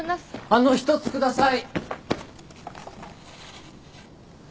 あの１つ下さい。